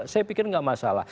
saya pikir tidak masalah